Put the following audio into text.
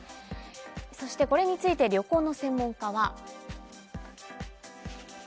そして、これについて旅行の専門家は。